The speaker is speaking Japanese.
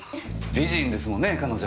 美人ですもんね彼女。